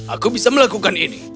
aku bisa melakukan ini